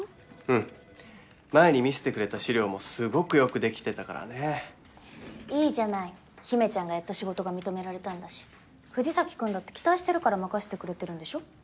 うん前に見せてくれた資料もすごくよくできてたからねいいじゃない陽芽ちゃんがやった仕事が認められたんだし富士崎君だって期待してるから任せてくれてるんでしょ？